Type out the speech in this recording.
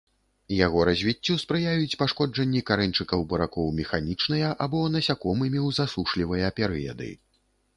Яго развіццю спрыяюць пашкоджанні карэньчыкаў буракоў механічныя або насякомымі ў засушлівыя перыяды.